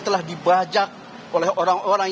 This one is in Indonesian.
telah dibajak oleh orang orang